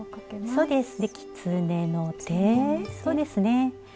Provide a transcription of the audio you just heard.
そうです。